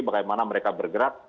bagaimana mereka bergerak